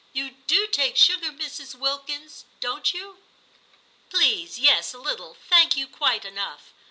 You do take sugar, Mrs. Wilkins, don't you "i '* Please yes, a little ; thank you, quite enough.